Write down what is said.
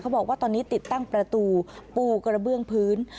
บอกว่าตอนนี้ติดตั้งประตูปูกระเบื้องพื้น